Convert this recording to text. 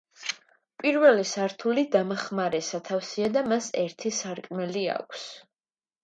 პირველი სართული დამხმარე სათავსია და მას ერთი სარკმელი აქვს.